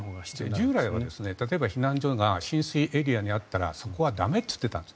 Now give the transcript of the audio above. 従来は避難所が浸水エリアにあったらそこは駄目って言っていたんです。